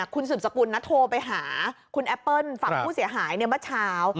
คุณสืบสกุลนะโทรไปหาคุณแอปเปิ้ลฝั่งผู้เสียหายเมื่อเช้า